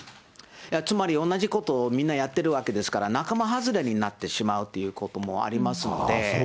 つまり、同じことをみんなやってるわけですから、仲間外れになってしまうということもありますんで。